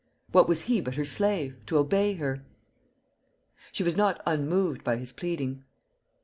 What was he but her slave, to obey her? She was not unmoved by his pleading.